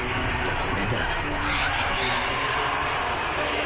ダメだ。